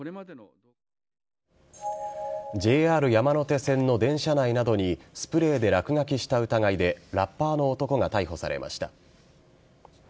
ＪＲ山手線の電車内などにスプレーで落書きした疑いでラッパーの男が逮捕されました。